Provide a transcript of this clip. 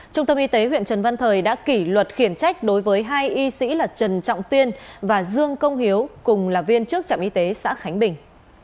trung tâm y tế huyện trần văn thời đã kỷ luật khiển trách đối với hai y sĩ là trần trọng tuyên và dương công hiếu cùng là viên trước trạm y tế xã khánh bình